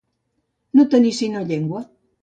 No tenir sinó llengua.